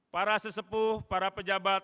para sesepuh para pejabat